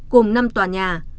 cùng năm tòa nhà